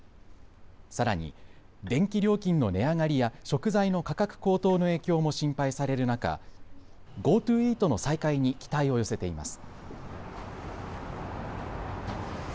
さらに電気料金の値上がりや食材の価格高騰の影響も心配される中、ＧｏＴｏイートの再開に期待を寄せています。